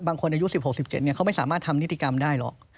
บางคนอายุ๑๖๑๗เขาไม่สามารถทำนิติกรรมได้หรอก